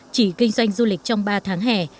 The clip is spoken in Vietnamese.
chỉ kinh doanh du lịch trong ba tháng hè